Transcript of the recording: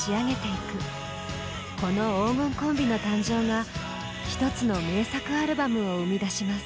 この黄金コンビの誕生が１つの名作アルバムを生み出します。